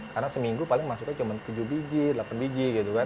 karena seminggu paling masuknya cuma tujuh biji delapan biji gitu kan